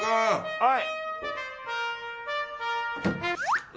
はい。